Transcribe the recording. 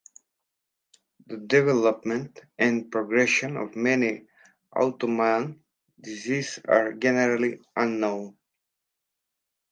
The development and progression of many autoimmune diseases are generally unknown.